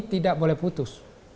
tidak boleh putus